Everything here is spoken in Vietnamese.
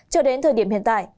chờ đến thời điểm hiện tại